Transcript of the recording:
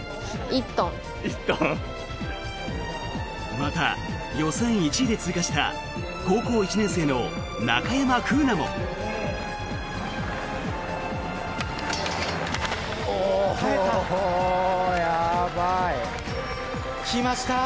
また、予選１位で通過した高校１年生の中山楓奈も。来ました！